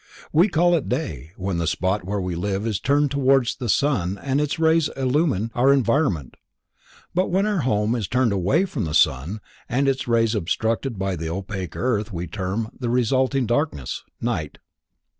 We call it Day—when the spot where we live is turned towards the sun and its rays illumine our environment, but when our home is turned away from the sun and its rays obstructed by the opaque earth we term the resulting darkness: Night.